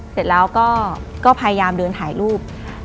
เสร็จแล้วก็พยายามเดินถ่ายรูป